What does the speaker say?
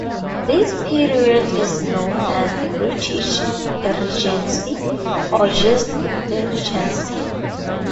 This period is known as the British Regency, or just the Regency.